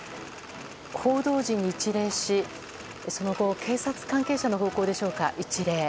報道陣に一礼し、その後警察関係者の方向でしょうか一礼。